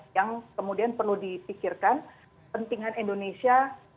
yang kemudian perlu dipikirkan pentingan indonesia